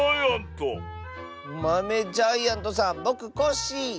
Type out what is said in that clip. おまめジャイアントさんぼくコッシー。